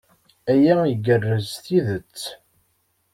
Aya igerrez s tidet.